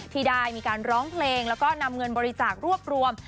ที่ได้มีการร้องเพลงแล้วก็นำเงินบริจาครวบรวม